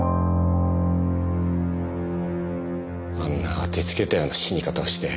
あんな当てつけたような死に方をして。